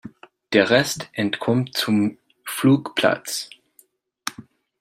Der Rest entkommt zum Flugplatz.